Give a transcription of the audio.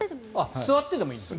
座ってでもいいんですか？